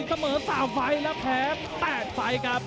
เสมอ๓ไฟล์และแพ้๘ไฟล์ครับ